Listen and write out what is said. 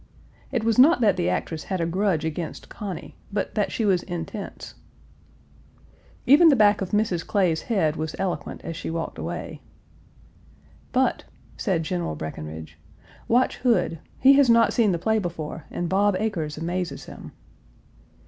It was not that the actress had a grudge against Conny, but that she was intense. Even the back of Mrs. Clay's head was eloquent as she walked away. "But," said General Breckinridge, "watch Hood; he has not seen the play before and Bob Acres amazes him."